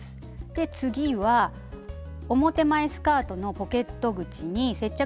で次は表前スカートのポケット口に接着テープ。